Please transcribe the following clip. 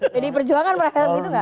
pdi perjuangan merasa begitu nggak